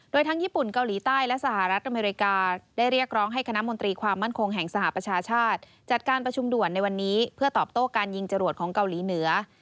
โดยทั้งญี่ปุ่นเกาหลีใต้และสหรัฐอเมริกาได้เรียกร้องให้คณะมนตรีความมั่นคงแห่งสหประชาชาติจัดการประชุมด่วนในวันนี้เพื่อตอบโต้การยิงจรวดของเกาหลีเหนือ